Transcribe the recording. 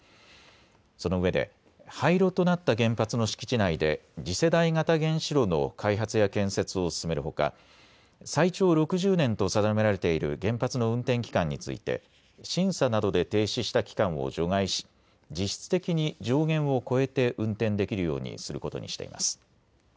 そのうえで廃炉となった原発の敷地内で次世代型原子炉の開発や建設を進めるほか最長６０年と定められている原発の運転期間について審査などで停止した期間を除外し実質的に上限を超えて運転できるようにすることにしています。